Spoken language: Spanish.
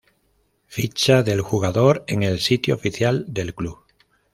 Ficha del jugador en el Sitio Oficial del club